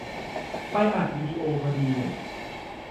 ไปอัดวิดีโอพอดีน่ะ